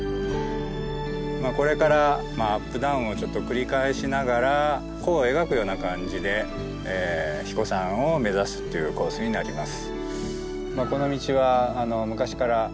これからアップダウンをちょっと繰り返しながら弧を描くような感じで英彦山を目指すっていうコースになります。